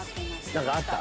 何かあった？